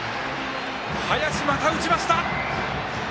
林、また打ちました！